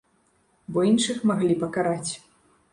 Бо іншых маглі пакараць.